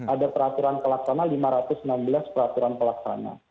ada peraturan pelaksana lima ratus enam belas peraturan pelaksana